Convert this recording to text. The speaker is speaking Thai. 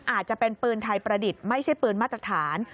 อาจจะเป็นปืนไทยประดิษฐ์ไม่ใช่ปืนมาตรฐาน